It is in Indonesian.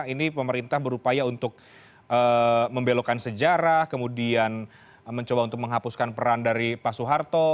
ini pemerintah berupaya untuk membelokkan sejarah kemudian mencoba untuk menghapuskan peran dari pak soeharto